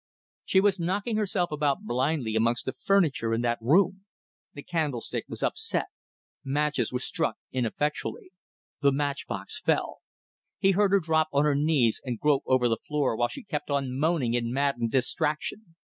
She was knocking herself about blindly amongst the furniture in that room. The candlestick was upset. Matches were struck ineffectually. The matchbox fell. He heard her drop on her knees and grope over the floor while she kept on moaning in maddened distraction.